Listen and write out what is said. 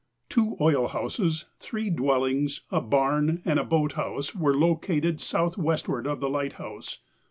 Two oil houses, three dwellings, a barn, and a boathouse were located south westward of the lighthouse.